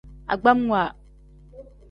Agbamwa.